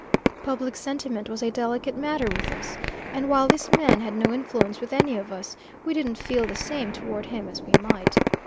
Public sentiment was a delicate matter with us, and while this man had no influence with any of us, we didn't feel the same toward him as we might.